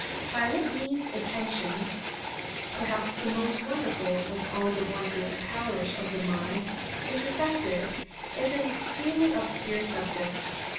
By what means attention—perhaps the most wonderful of all the wondrous powers of the mind—is effected, is an extremely obscure subject.